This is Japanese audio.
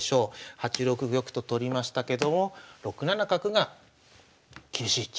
８六玉と取りましたけども６七角が厳しい一着。